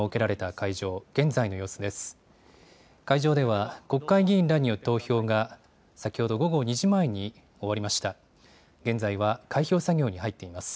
会場では国会議員らによる投票が先ほど午後２時前に終わりました。